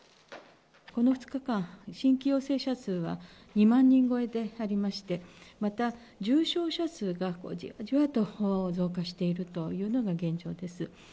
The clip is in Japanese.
この２日間、新規陽性者数は２万人超えでありまして、また、重症者数がじわじわと増加しているというのが現状です。